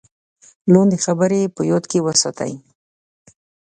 لاندې خبرې په یاد کې وساتئ: